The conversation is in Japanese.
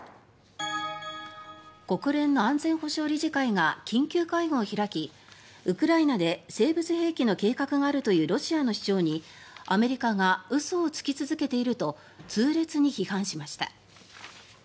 国連の安全保障理事会が緊急会合を開きウクライナで生物兵器の計画があるというロシアの主張にアメリカが嘘をつき続けていると痛烈に批判しました。